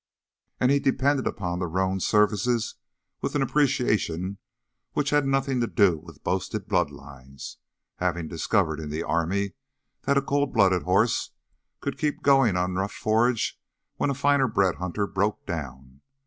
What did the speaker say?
And he depended upon the roan's services with appreciation which had nothing to do with boasted bloodlines, having discovered in the army that a cold blooded horse could keep going on rough forage when a finer bred hunter broke down.